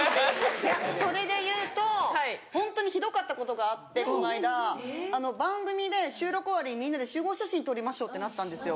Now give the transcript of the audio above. それでいうとホントにひどかったことがあってこの間番組で収録終わりにみんなで集合写真撮りましょうってなったんですよ。